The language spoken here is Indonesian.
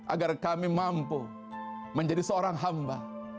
agar kami mampu menjadi seorang hamba